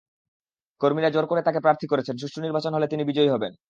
কর্মীরা জোর করে তাঁকে প্রার্থী করেছেন, সুষ্ঠু নির্বাচন হলে তিনি বিজয়ী হবেন।